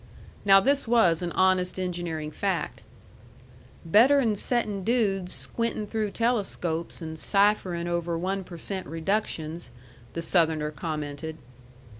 Now this was an honest engineering fact. "Better'n settin' dudes squintin' through telescopes and cypherin' over one per cent reductions," the Southerner commented.